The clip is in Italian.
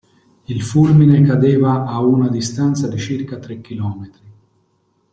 Il fulmine cadeva a una distanza di circa tre chilometri.